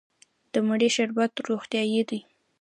د مڼې شربت روغتیایی دی.